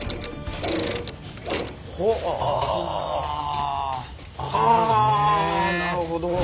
ほうあなるほど。